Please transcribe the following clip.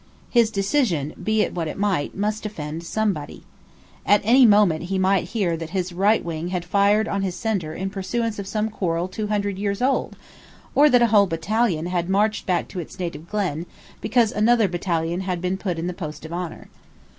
His decision, be it what it might, must offend somebody. At any moment he might hear that his right wing had fired on his centre in pursuance of some quarrel two hundred years old, or that a whole battalion had marched back to its native glen, because another battalion had been put in the post of honour.